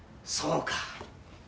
そうか。